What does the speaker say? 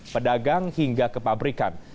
pedagang hingga kepabrikan